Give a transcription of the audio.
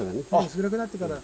薄暗くなってから。